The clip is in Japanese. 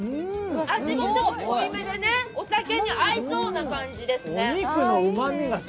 味もちょっと濃いめで、お酒に合いそうな感じですね。